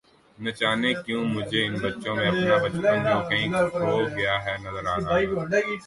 نجانے کیوں مجھے ان بچوں میں اپنا بچپن جو کہیں کھو گیا ہے نظر آ رہا تھا